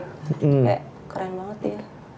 kayak keren banget ya